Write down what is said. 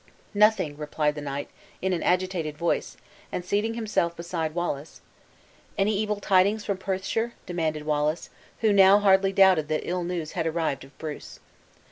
"Nothing," replied the knight, in an agitated voice, and seating himself beside Wallace. "Any evil tidings from Perthshire?" demanded Wallace, who now hardly doubted that ill news had arrived of Bruce.